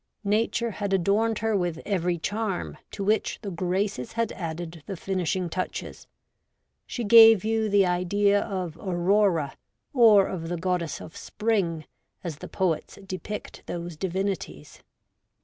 Nature had adorned her with every charm, to which the Graces had added the finishing touches. She gave you the idea of Aurora, or of the Goddess of Spring, as the poets depict those divinities.'